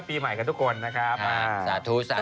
ปีชงอยากจะเก็บไว้ตอนตุฤจีน